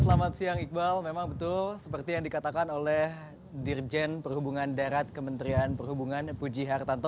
selamat siang iqbal memang betul seperti yang dikatakan oleh dirjen perhubungan darat kementerian perhubungan puji hartanto